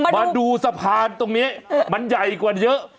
มาดูสะพานตรงนี้มันใหญ่กว่าเยอะ